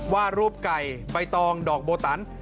ว่ารูปไก่ใบตองดอกโบตัน